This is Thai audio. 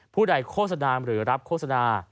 ผู้ใดโฆษณาหรือรับโฆษณา